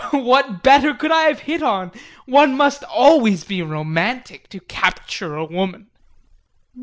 What better could I have hit on! One must always be romantic to capture a woman.